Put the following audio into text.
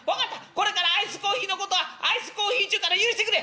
これからアイスコーヒーのことはアイスコーヒーっちゅうから許してくれ。